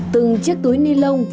từng chiếc túi ni lông